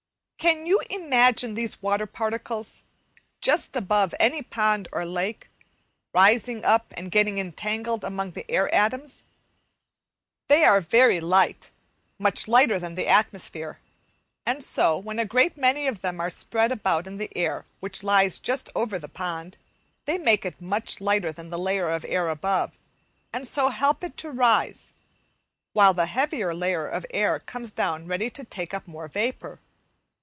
Can you imagine these water particles, just above any pond or lake, rising up and getting entangled among the air atoms? They are very light, much lighter than the atmosphere; and so, when a great many of them are spread about in the air which lies just over the pond, they make it much lighter than the layer of air above, and so help it to rise, while the heavier layer of air comes down ready to take up more vapour.